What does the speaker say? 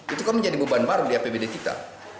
itu kan menjadi beban baru di apbd kita